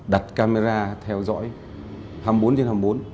đặt camera theo dõi hai mươi bốn trên hai mươi bốn